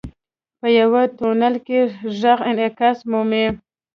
• په یو تونل کې ږغ انعکاس مومي.